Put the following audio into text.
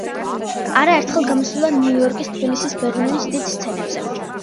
არაერთხელ გამოსულან ნიუ-იორკის, თბილისის, ბერლინის დიდ სცენებზე.